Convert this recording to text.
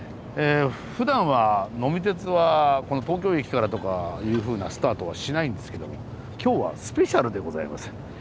ふだんは「呑み鉄」はこの東京駅からとかいうふうなスタートはしないんですけども今日はスペシャルでございます。